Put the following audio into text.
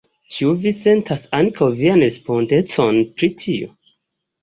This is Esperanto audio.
Ĉu vi sentas ankaŭ vian respondecon pri tio?